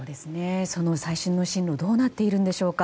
その最新の進路どうなっているんでしょうか。